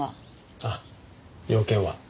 あっ用件は。